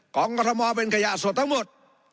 ของกระทะมอเป็นขยะสดทั้งหมด